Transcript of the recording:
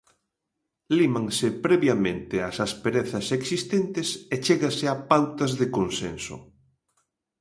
Límanse previamente as asperezas existentes e chégase a pautas de consenso.